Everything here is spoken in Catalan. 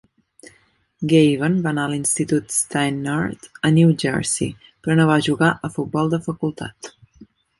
Gaven va anar a l'Institut Steinert a New Jersey, però no va jugar a futbol de facultat.